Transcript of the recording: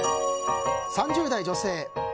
３０代女性。